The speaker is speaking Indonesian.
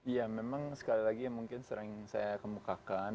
ya memang sekali lagi mungkin sering saya kemukakan